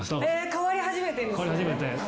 変わり始めてるんですね。